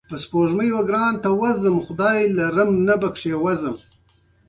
پوه شوم چې د مايک رابرټ کار دی.